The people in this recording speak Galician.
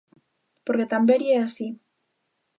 Porque Tamberi é así.